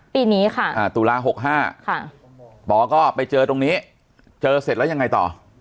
ปีนี้ค่ะตุลา๖๕ปอก็ไปเจอตรงนี้เจอเสร็จแล้วยังไงต่อ